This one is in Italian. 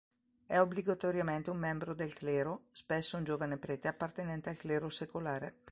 È obbligatoriamente un membro del clero, spesso un giovane prete appartenente al clero secolare.